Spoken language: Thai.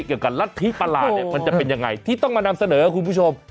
กับรัฐธิประหลาดเนี่ยมันจะเป็นยังไงที่ต้องมานำเสนอคุณผู้ชม